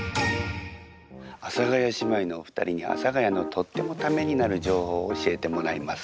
阿佐ヶ谷姉妹のお二人に阿佐ヶ谷のとってもためになる情報を教えてもらいます。